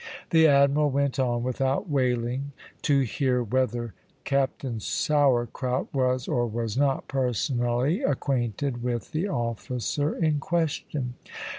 The Admiral went on, without wailing to hear whether Captain Sourcrout was or was not personally acquainted with the officer in question.